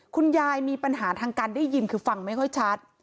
คุณยายมีปัญหาทางการได้ยินคือฟังไม่ค่อยชัด